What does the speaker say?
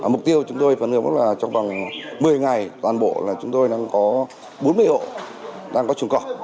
mục tiêu chúng tôi phản ứng là trong vòng một mươi ngày toàn bộ là chúng tôi đang có bốn mươi hộ đang có chuồng cọp